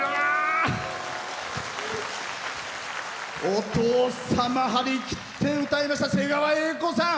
お父様、張り切って歌いました、瀬川瑛子さん。